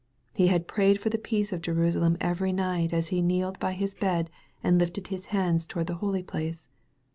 He had prayed for the peace of Jerusalem every night as he kneeled by his bed and lifted hb hands toward the holy place.